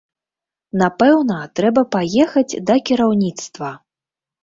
Напэўна, трэба паехаць да кіраўніцтва.